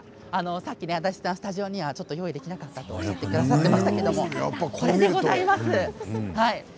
さっき、足立さん、スタジオには用意できなかったと言ってくださっていましたがこれです。